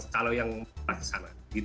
kalau yang pas ke sana